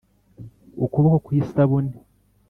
ukuboko kw'isabune